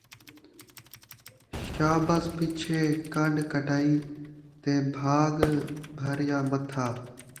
شابس پچھے کن٘ڈ کٹائی ، تے بھاڳ بھریا متھا